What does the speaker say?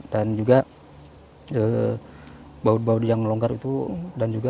dan juga baut baut yang longgar itu